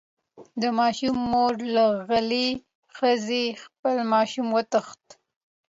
د ماشوم مور له غلې ښځې خپل ماشوم وغوښت.